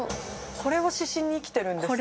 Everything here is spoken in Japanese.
これを指針に生きてるんですか？